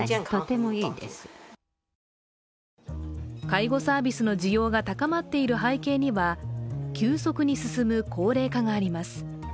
介護サービスの需要が高まっている背景には急速に進む高齢化があります。